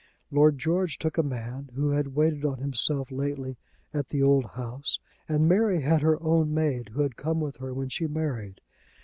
Lord George took a man who had waited on himself lately at the old house, and Mary had her own maid who had come with her when she married.